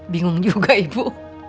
bingung juga ibu